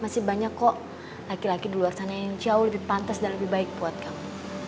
masih banyak kok laki laki di luar sana yang jauh lebih pantas dan lebih baik buat kamu